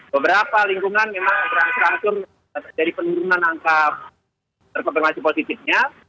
beberapa lingkungan memang terang terang jadi penurunan angka terkombinasi positifnya